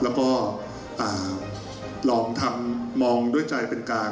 แล้วก็ลองทำมองด้วยใจเป็นกลาง